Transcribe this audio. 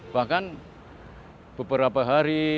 bahkan beberapa hari